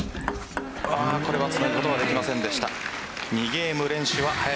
あー、これはつなぐことはできませんでした。